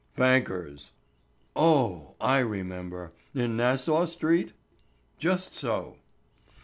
"Bankers." "Oh, I remember; in Nassau street?" "Just so."